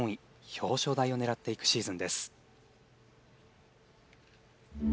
表彰台を狙っていくシーズンです。